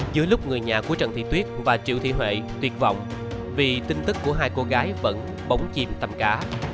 trong lúc người nhà của trần thị tuyết và triệu thị huệ tuyệt vọng vì tin tức của hai cô gái vẫn bóng chìm tầm cá